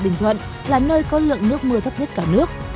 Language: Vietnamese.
bình thuận là nơi có lượng nước mưa thấp nhất cả nước